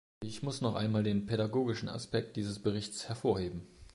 Ich muss noch einmal den pädagogischen Aspekt dieses Berichts hervorheben.